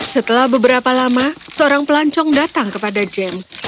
setelah beberapa lama seorang pelancong datang kepada james